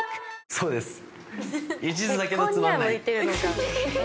そうですね。